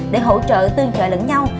để hỗ trợ tương trợ lẫn nhau